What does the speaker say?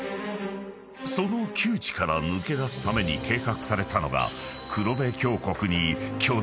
［その窮地から抜け出すために計画されたのが］